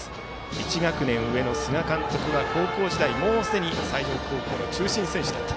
１学年上の菅監督は高校時代、すでに西条高校の中心選手だった。